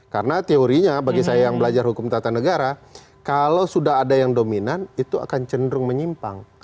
karena teorinya bagi saya yang belajar hukum tata negara kalau sudah ada yang dominan itu akan cenderung menyimpang